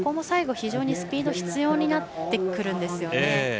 最後、非常にスピードが必要になってくるんですよね。